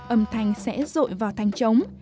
âm thanh sẽ rội vào thanh trống